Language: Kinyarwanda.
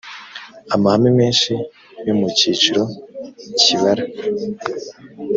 amahame menshi yo mu cyiciro cy ibara